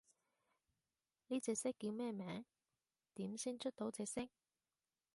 呢隻色叫咩名？點先出到隻色？